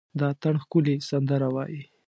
د اټن ښکلي سندره وايي،